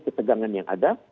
kesegangan yang ada